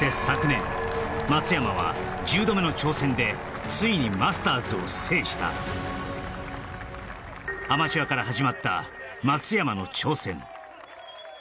昨年松山は１０度目の挑戦でついにマスターズを制したアマチュアから始まった松山の挑戦